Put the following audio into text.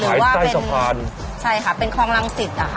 ขายใต้สะพานหรือว่าเป็นใช่ค่ะเป็นคลองรังสิทธิ์ค่ะ